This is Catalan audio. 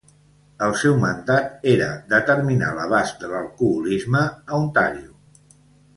El seu mandat era determinar l'abast de l'alcoholisme a Ontario.